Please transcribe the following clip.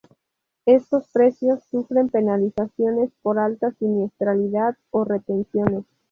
Estos precios sufren penalizaciones por alta siniestralidad o retenciones.